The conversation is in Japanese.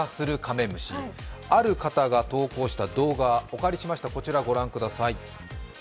ある方が投稿した動画をお借りしました、こちら御覧ください。